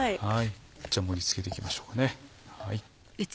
じゃあ盛り付けていきましょうかね。